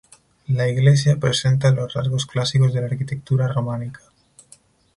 La iglesia presenta los rasgos clásicos de la arquitectura románica.